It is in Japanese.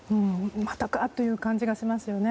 またかという感じがしますよね。